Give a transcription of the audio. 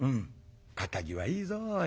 堅気はいいぞおい。